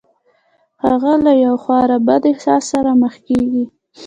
هغه له یوه خورا بد احساس سره مخ کېږي